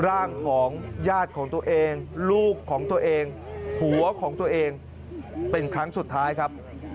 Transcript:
ร่างของญาติของตัวเองลูกของตัวเองหัวของตัวเองเป็นครั้งสุดท้ายครับ